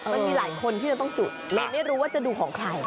มันมีหลายคนที่จะต้องจุดเลยไม่รู้ว่าจะดูของใคร